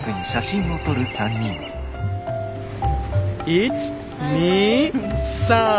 １２３！